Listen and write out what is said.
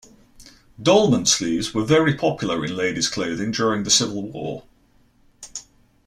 Dolman sleeves were very popular in ladies clothing during the Civil War.